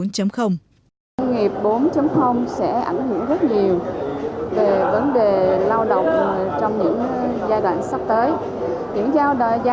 công nghiệp bốn sẽ ảnh hưởng rất nhiều về vấn đề lao động trong những giai đoạn sắp tới